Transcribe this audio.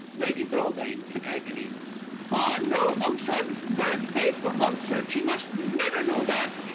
Lady B. (in agony). Ah, no, Monkshood, good, faithful Monkshood, she must never know that!